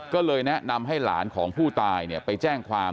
ก็เลยแนะนำให้หลานของผู้ตายไปแจ้งความ